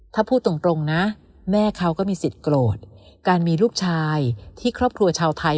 ถ้าพูดตรงนะแม่เขาก็มีสิทธิ์โกรธการมีลูกชายที่ครอบครัวชาวไทย